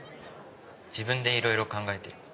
自分でいろいろ考えてる。